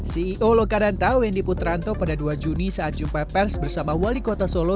ceo lokananta wendy putranto pada dua juni saat jumpa pers bersama wali kota solo